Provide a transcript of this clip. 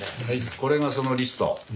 はいこれがそのリスト。